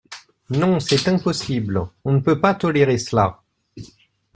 Non, c’est impossible ! On ne peut pas tolérer cela.